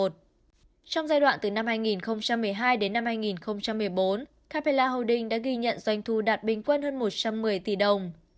trong giai đoạn từ năm hai nghìn một mươi hai đến năm hai nghìn một mươi bốn capella holding đã ghi nhận doanh thu đạt bình quân hơn một trăm một mươi tỷ đồng